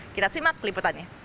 kita simak peliputannya